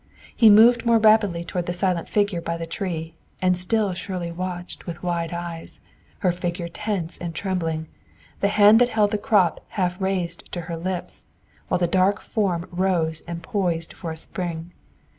He moved more rapidly toward the silent figure by the tree, and still Shirley watched wide eyed, her figure tense and trembling, the hand that held the crop half raised to her lips, while the dark form rose and poised for a spring.